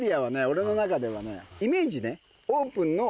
俺の中ではねイメージね。